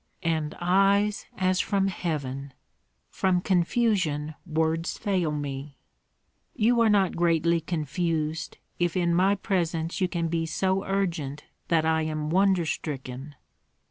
"And eyes as from heaven! From confusion, words fail me." "You are not greatly confused, if in my presence you can be so urgent that I am wonder stricken."